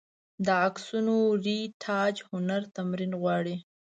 د عکسونو رېټاچ هنر تمرین غواړي.